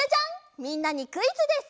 みんなにクイズです。